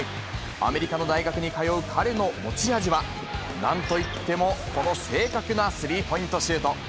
アメリカの大学に通う彼の持ち味は、なんといってもこの正確なスリーポイントシュート。